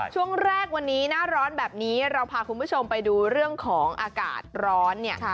ช่วงแรกวันนี้หน้าร้อนแบบนี้เราพาคุณผู้ชมไปดูเรื่องของอากาศร้อนเนี่ย